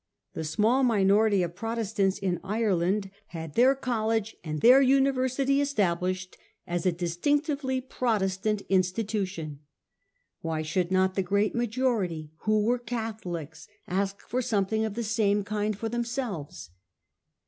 The small minority of Protestants in Ireland had their collesre 1844. THE BANK CHARTER ACT. 811 and their university established as a distinctively Pro testant institution. Why should not the great majo rity who were Catholics ask for something of the same kind for themselves?